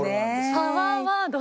パワーワード。